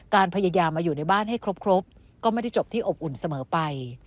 การพยายามมาอยู่ในบ้านให้ครบก็ไม่ได้จบที่อบอุ่นเสมอไป